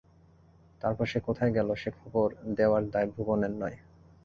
তার পর সে কোথায় গেল সে খবর দেওয়ার দায় ভুবনের নয়।